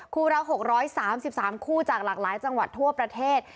คู่ละ๖๓๓คู่จากหลากหลายจังหวัดทั่วประเทศ